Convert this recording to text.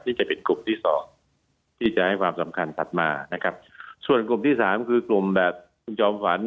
นี่จะเป็นกลุ่มที่๒ที่จะให้ความสำคัญถัดมาส่วนกลุ่มที่๓คือกลุ่มแบบคุณจอมฝัน